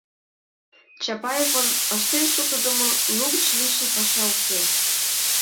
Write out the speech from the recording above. Чапаевын ыштен шуктыдымо, лугыч лийше паша уке.